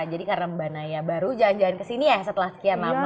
jadi karena mbak naya baru jalan jalan kesini ya setelah sekian lama